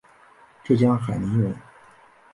浙江海宁人。